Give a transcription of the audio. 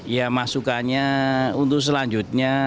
ya masukannya untuk selanjutnya